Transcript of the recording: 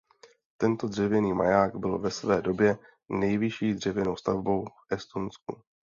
Tento dřevěný maják byl ve své době nejvyšší dřevěnou stavbou v Estonsku.